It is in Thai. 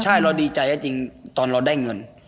ใช่เราดีใจจริงตอนเราได้เงิน